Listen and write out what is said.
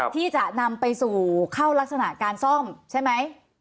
ที่จะนำไปสู่เข้ารักษณะการซ่อมใช่ไหม